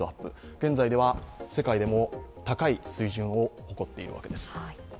現在では世界でも高い水準を誇っているわけです。